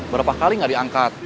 berapa kali gak diangkat